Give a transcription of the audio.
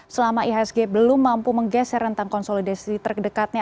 selama ihsg belum mampu menggeser rentang konsolidasi terdekatnya